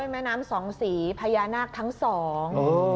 แม่น้ำสองสีพญานาคทั้งสอง